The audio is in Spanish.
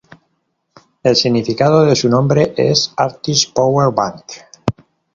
El significado de su nombre es artist power bank.